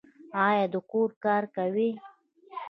ایا د کور کار کوي؟